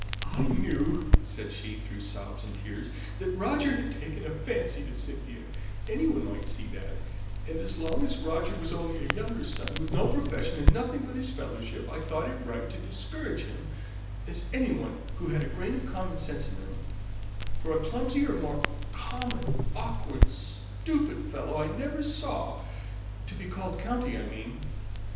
"I knew," said she through sobs and tears, "that Roger had taken a fancy to Cynthia; any one might see that; and as long as Roger was only a younger son, with no profession, and nothing but his fellowship, I thought it right to discourage him, as any one would who had a grain of common sense in them; for a clumsier, more common, awkward, stupid fellow I never saw to be called 'county,' I mean."